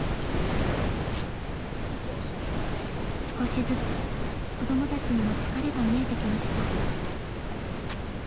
少しずつ子どもたちにも疲れが見えてきました。